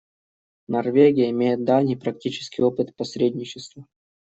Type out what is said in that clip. Норвегия имеет давний практический опыт посредничества.